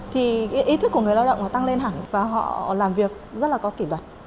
thì ý thức của người lao động tăng lên hẳn và họ làm việc rất là có kỹ luật